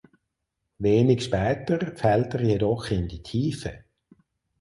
Wenig später fällt er jedoch in die Tiefe.